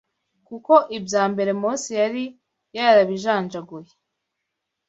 kuko ibya mbere Mose yari yarabijanjaguye